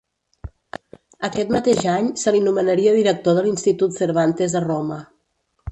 Aquest mateix any se li nomenaria director de l'Institut Cervantes a Roma.